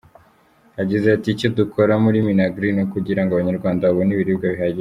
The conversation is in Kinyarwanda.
Yagize ati “Icyo dukora muri Minagri, ni ukugira ngo Abanyarwanda babone ibiribwa bihagije.